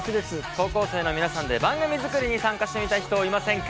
高校生の皆さんで番組づくりに参加してみたい人いませんか？